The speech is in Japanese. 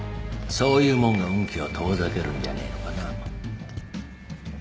そういうもんが運気を遠ざけるんじゃねえのかな？